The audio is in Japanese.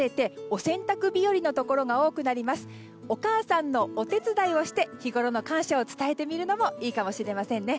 お母さんのお手伝いをして日ごろの感謝を伝えてみるのもいいかもしれませんね。